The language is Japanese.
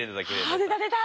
あ出た出た。